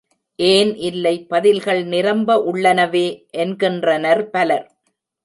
ஏன் இல்லை பதில்கள் நிரம்ப உள்ளனவே, என்கின்றனர் பலர்.